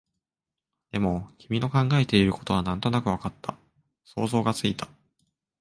でも、君の考えていることはなんとなくわかった、想像がついた